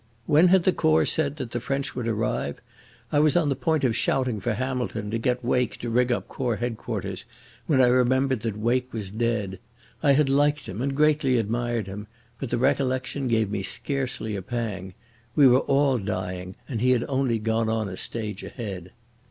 When had the Corps said that the French would arrive?... I was on the point of shouting for Hamilton to get Wake to ring up Corps Headquarters, when I remembered that Wake was dead. I had liked him and greatly admired him, but the recollection gave me scarcely a pang. We were all dying, and he had only gone on a stage ahead.